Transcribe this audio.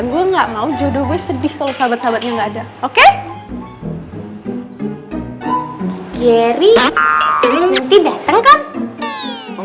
gue nggak mau jodoh gue sedih kalau sahabat sahabatnya nggak ada